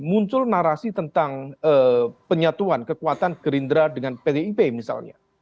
muncul narasi tentang penyatuan kekuatan gerindra dengan pdip misalnya